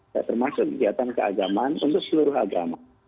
ya termasuk kegiatan keagamaan untuk seluruh agama